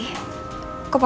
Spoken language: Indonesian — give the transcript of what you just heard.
kok berbicara sama saya